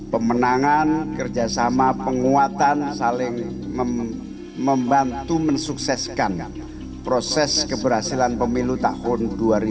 pemenangan kerjasama penguatan saling membantu mensukseskan proses keberhasilan pemilu tahun dua ribu dua puluh